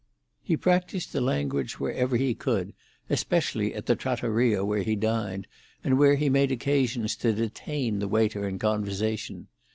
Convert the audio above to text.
He practised the language wherever he could, especially at the trattoria where he dined, and where he made occasions to detain the waiter in conversation.